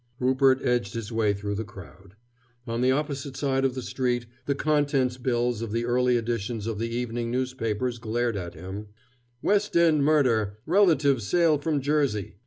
Rupert edged his way through the crowd. On the opposite side of the street the contents bills of the early editions of the evening newspapers glared at him: "West End murder Relatives sail from Jersey."